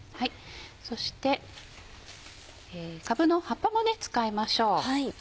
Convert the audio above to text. そしてかぶの葉っぱも使いましょう。